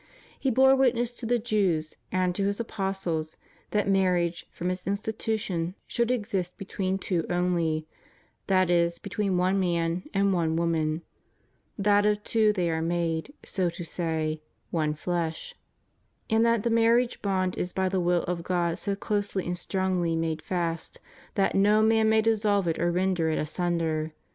He bore witness to the Jews and to His apostles that marriage, from its institution, should exist between two only, that is, between one man and one woman; that of two they are made, so to say, one flesh; and that the marriage bond is by the will of God so closely and strongly made fast that no man may dissolve it or render it asunder.